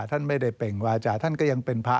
ท่านไม่ได้เป่งวาจาท่านก็ยังเป็นพระ